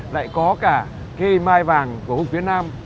lại có cả cây mai vàng của vùng phía nam